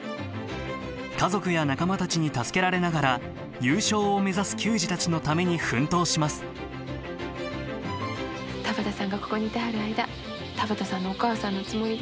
家族や仲間たちに助けられながら優勝を目指す球児たちのために奮闘します田畑さんがここにいてはる間田畑さんのお母さんのつもりで私応援してますさかい。